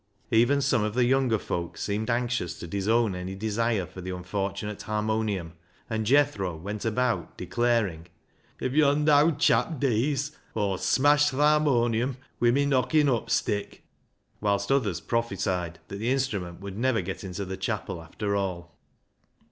Even some of the younger folk seemed anxious to disown any desire for the unfortunate harmonium, and Jethro went about declaring — "If yond' owd chap dees, Aw'll smash th' harmonion wi' my knockin' up stick," whilst others prophesied that the instrument would never get into the chapel after all.